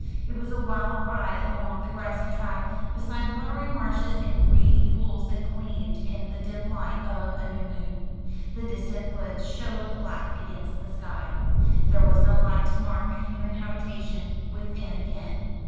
It was a wild ride along the grassy track, beside watery marshes and reedy pools that gleamed in the dim light of a new moon. The distant woods showed black against the sky. There was no light to mark a human habitation within ken.